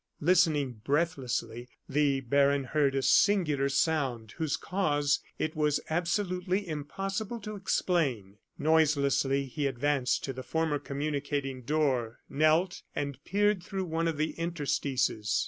Listening breathlessly, the baron heard a singular sound, whose cause it was absolutely impossible to explain. Noiselessly he advanced to the former communicating door, knelt, and peered through one of the interstices.